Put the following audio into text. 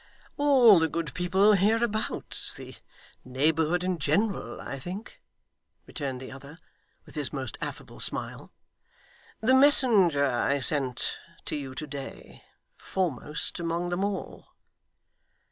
'All the good people hereabouts the neighbourhood in general, I think,' returned the other, with his most affable smile. 'The messenger I sent to you to day, foremost among them all.